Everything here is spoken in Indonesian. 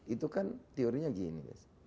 itu kan teorinya gini